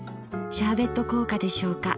シャーベット効果でしょうか？